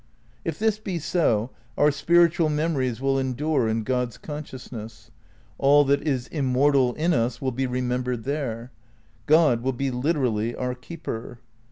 If this be so, our spiritual memories will endure in God's consciousness; all that is immortal in us will be remembered there. God will be literally our keeper.